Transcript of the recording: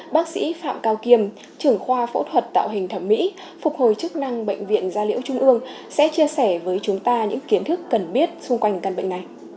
bác sĩ phạm cao kiêm trưởng khoa phẫu thuật tạo hình thẩm mỹ phục hồi chức năng bệnh viện gia liễu trung ương sẽ chia sẻ với chúng ta những kiến thức cần biết xung quanh căn bệnh này